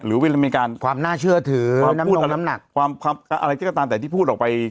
หรือเวลาที่มีการความน่าเชื่อถือน้ำหนักความความอะไรที่ก็ตามแต่ที่พูดออกไป